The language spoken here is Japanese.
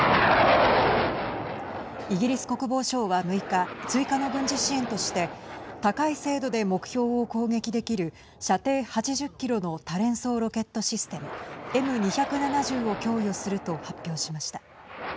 イギリス国防省は６日追加の軍事支援として高い精度で目標を攻撃できる射程８０キロの多連装ロケットシステムＭ２７０を供与すると発表しました。